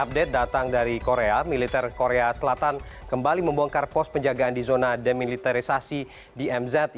serta meredam ketegangan di dmz